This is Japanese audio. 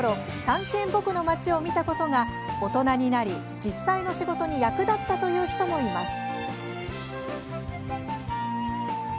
「たんけんぼくのまち」を見たことが、大人になり実際の仕事に役立ったという人もいます。